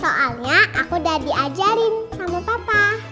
soalnya aku udah diajarin sama papa